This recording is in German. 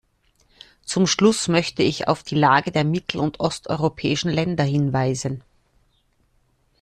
Zum Schluss möchte ich auf die Lage der mittel- und osteuropäischen Länder hinweisen.